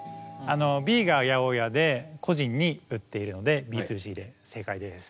Ｂが八百屋で個人に売っているのでＢ２Ｃで正解です。